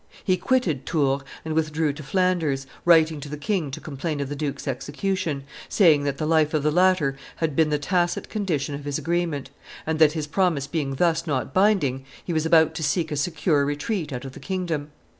He quitted Tours and withdrew to Flanders, writing to the king to complain of the duke's execution, saying that the life of the latter had been the tacit condition of his agreement, and that, his promise being thus not binding, he was about to seek a secure retreat out of the kingdom.